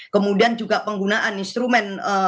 kemudian juga penggunaan instrumen